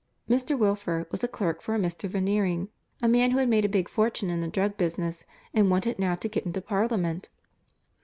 Mr. Wilfer was a clerk for a Mr. Veneering, a man who had made a big fortune in the drug business and wanted now to get into Parliament.